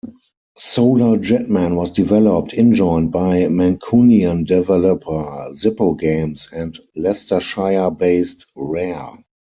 "Solar Jetman" was developed in-joint by Mancunian developer Zippo Games and Leicestershire-based Rare.